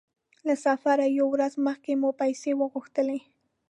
له سفره يوه ورځ مخکې مو پیسې وغوښتلې.